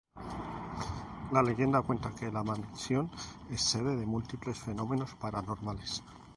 La leyenda cuenta que la mansión es sede de múltiples fenómenos paranormales.